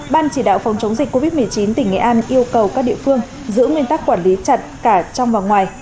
ban chỉ đạo phòng chống dịch covid một mươi chín tỉnh nghệ an yêu cầu các địa phương giữ nguyên tắc quản lý chặt cả trong và ngoài